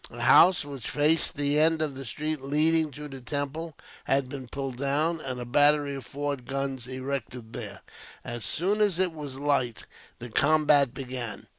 A house, which faced the end of the street leading to the temple, had been pulled down; and a battery of four guns erected there. As soon as it was light, the combat began.